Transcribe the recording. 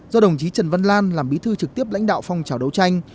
do đồng chí trần văn lan làm bí thư trực tiếp lãnh đạo phong trào đấu tranh